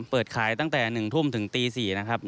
เปิดขายตั้งแต่๑ทุ่มถึงตี๔นะครับ